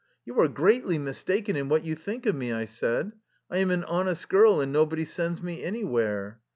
" You are greatly mistaken in what you think of me/' I said. " I am an honest girl, and no body sends me anywhere.''